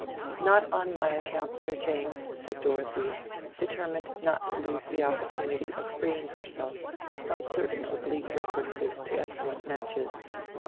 "Not on my account, Sir James," said Dorothea, determined not to lose the opportunity of freeing herself from certain oblique references to excellent matches.